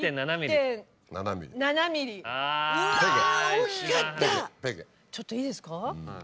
大きかったちょっといいですか？